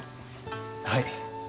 はい。